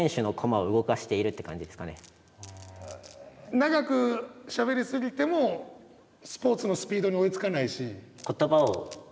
長くしゃべり過ぎてもスポーツのスピードに追いつかないし。